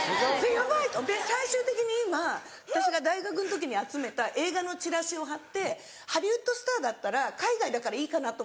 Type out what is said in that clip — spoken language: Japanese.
ヤバい！と最終的に今私が大学の時に集めた映画のちらしを貼ってハリウッドスターだったら海外だからいいかなと思って。